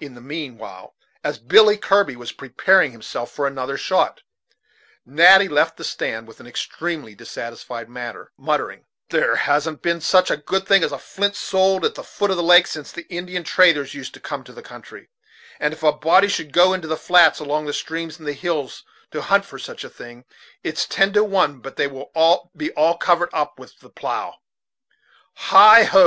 In the mean while, as Billy Kirby was preparing himself for another shot, Natty left the stand, with an extremely dissatisfied manner, muttering: "There hasn't been such a thing as a good flint sold at the foot of the lake since the Indian traders used to come into the country; and, if a body should go into the flats along the streams in the hills to hunt for such a thing, it's ten to one but they will be all covered up with the plough. Heigho!